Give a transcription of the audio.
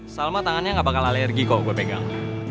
salma tangannya gak bakal alergi kok gue pegang